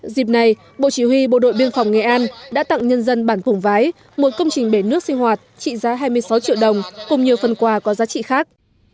dịp này bộ chỉ huy bộ đội biên phòng nghệ an đã tặng nhân dân bản vùng vái một công trình bể nước sinh hoạt trị giá hai mươi sáu triệu đồng cùng nhiều phần quà có giá trị khác